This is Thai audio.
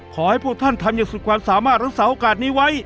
ขอให้พวกท่านทำอย่างสุดความสามารถรักษาโอกาสนี้ไว้